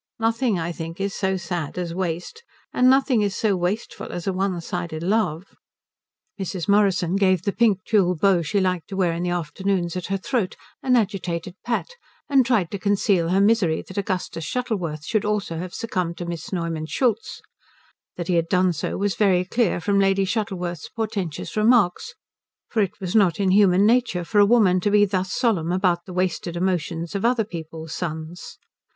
Nothing I think is so sad as waste, and nothing is so wasteful as a one sided love." Mrs. Morrison gave the pink tulle bow she liked to wear in the afternoons at her throat an agitated pat, and tried to conceal her misery that Augustus Shuttleworth should also have succumbed to Miss Neumann Schultz. That he had done so was very clear from Lady Shuttleworth's portentous remarks, for it was not in human nature for a woman to be thus solemn about the wasted emotions of other people's sons.